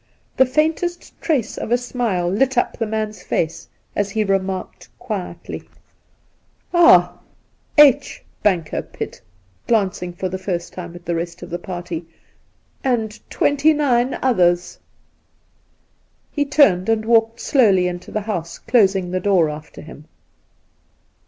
The faintest trace of a smile lit up the man's face as he remarked quietly : 6—2 84 Induna Nairn ' Ah, H. Bankerpitt '— and glancing for the first time at the rest of the paxtj—^ and twenty nine othei's !' He turned and walked slowly into the house, closing the door after him.